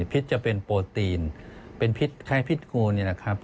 พิษจะเป็นโปรตีนเป็นพิษคล้ายพิษงูนี่แหละครับ